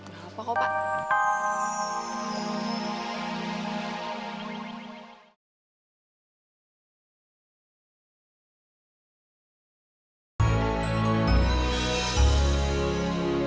gak apa kok pak